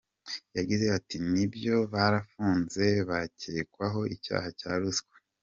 Yagize ati "Ni byo barafunze, bakekwaho icyaha cya ruswa.